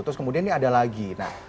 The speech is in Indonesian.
terus kemudian ini ada lagi